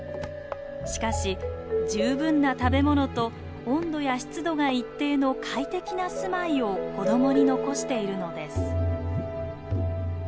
しかし十分な食べ物と温度や湿度が一定の快適なすまいを子供に残しているのです。